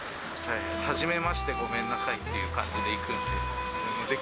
はじめまして、ごめんなさいっていう感じで行くんで。